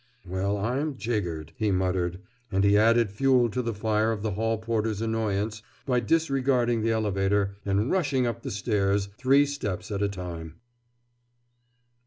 "Well, I'm jiggered!" he muttered, and he added fuel to the fire of the hall porter's annoyance by disregarding the elevator and rushing up the stairs, three steps at a time.